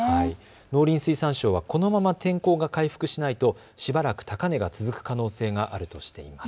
農林水産省はこのまま天候が回復しないとしばらく高値が続く可能性があるとしています。